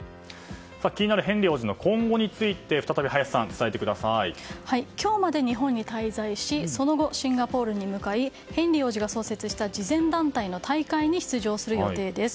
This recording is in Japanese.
気になるヘンリー王子の今後について今日まで日本に滞在しその後、シンガポールに向かいヘンリー王子が創設した慈善団体の大会に出席する予定です。